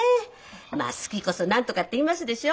まあ好きこそ何とかって言いますでしょう？